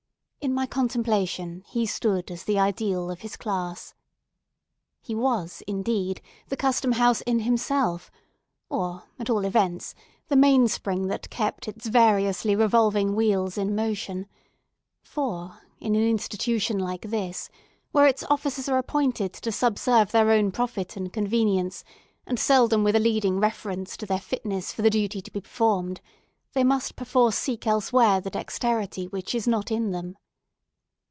In my contemplation, he stood as the ideal of his class. He was, indeed, the Custom House in himself; or, at all events, the mainspring that kept its variously revolving wheels in motion; for, in an institution like this, where its officers are appointed to subserve their own profit and convenience, and seldom with a leading reference to their fitness for the duty to be performed, they must perforce seek elsewhere the dexterity which is not in them.